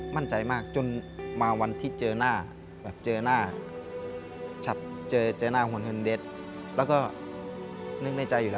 ไพรอย่างเม้นที่เนียน